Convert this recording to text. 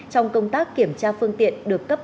trong công tác kiểm tra phương tiện được cấp